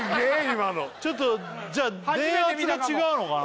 今のちょっとじゃあ電圧が違うのかな